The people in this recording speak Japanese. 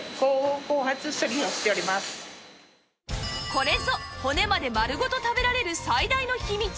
これぞ骨まで丸ごと食べられる最大の秘密！